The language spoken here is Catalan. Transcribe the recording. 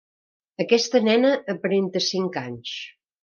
Aquesta nena aparenta cinc anys.